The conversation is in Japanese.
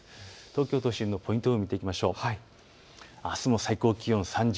東京都心のポイント予報を見ていきましょう。